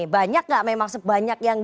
banyak nggak memang sebanyak yang